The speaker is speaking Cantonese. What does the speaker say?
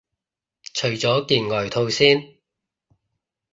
除咗件外套先